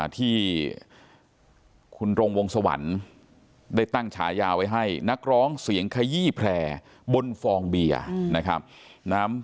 ที่คุณรงวงสวรรค์ได้ตั้งฉายาไว้ให้นักร้องเสียงขยี้แพร่บนฟองเบียร์นะครับ